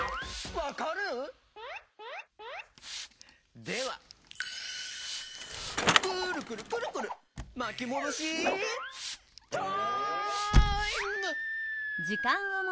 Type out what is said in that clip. わかる？ではくるくるくるくるまきもどしタイム！